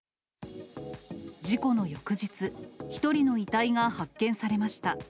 事故の翌日、１人の遺体が発見されました。